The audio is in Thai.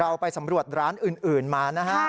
ไปสำรวจร้านอื่นมานะฮะ